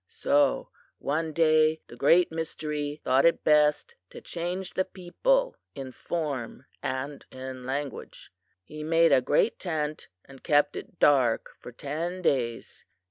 So one day the Great Mystery thought it best to change the people in form and in language. "He made a great tent and kept it dark for ten days.